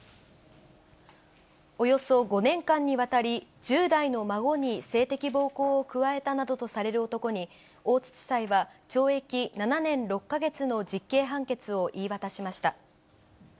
およそ５年間にわたり、１０代の孫に性的暴行を加えたなどとされる男に、大津地裁は懲役７年６か月の実刑判決を言い渡しました。